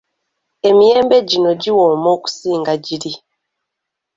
Emiyembe gino giwooma okusinga giri.